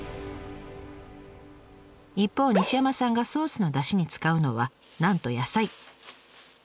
一方西山さんがソースのダシに使うのはなんと野菜。